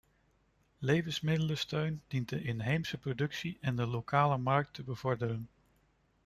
Levensmiddelensteun dient de inheemse productie en de lokale markt te bevorderen.